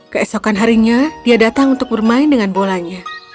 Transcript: keesokan harinya dia datang untuk bermain dengan bolanya